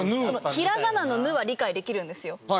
平仮名の「ぬ」は理解できるんですよ。